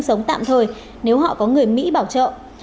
sống tạm thời nếu họ có người mỹ bảo trợ